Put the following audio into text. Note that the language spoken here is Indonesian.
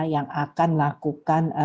yang akan lakukan